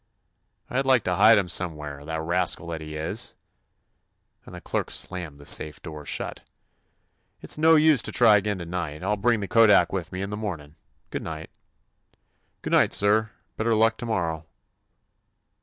"I 'd like to hide him away some where, the rascal that he is !" and the clerk slammed the safe door shut. "It 's no use to try again to night. I '11 bring the kodak with me in the morning. Good night." "Good night, sir. Better luck to morrow."